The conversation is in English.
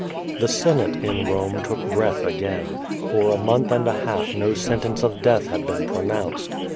The Senate in Rome took breath again. For a month and a half no sentence of death had been pronounced.